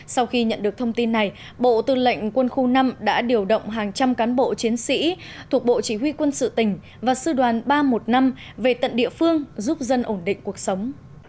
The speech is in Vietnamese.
sau khi nhận được thông tin này bộ tư lệnh quân khu năm đã điều động hàng trăm cán bộ chiến sĩ thuộc bộ chỉ huy quân sự tỉnh và sư đoàn ba trăm một mươi năm về tận địa phương giúp dân ổn định cuộc sống